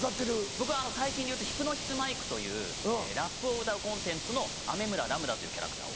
僕最近でいうと『ヒプノシスマイク』というラップを歌うコンテンツの飴村乱数というキャラクターを。